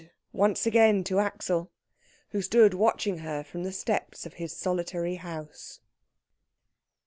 once again to Axel, who stood watching her from the steps of his solitary house.